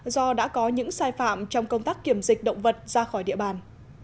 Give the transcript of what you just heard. do đã có những sai phạm trong công tác kiểm dịch động vật ra khỏi địa bàn